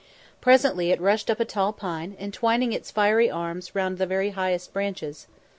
Presently it rushed up a tall pine, entwining its fiery arms round the very highest branches.